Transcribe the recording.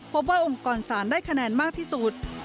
พบว่าองค์กรสารได้คะแนนมากที่สุด